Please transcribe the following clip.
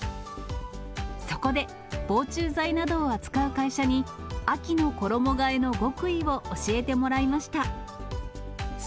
そこで、防虫剤などを扱う会社に、秋の衣がえの極意を教えてもらいました。